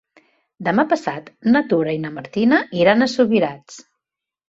Demà passat na Tura i na Martina iran a Subirats.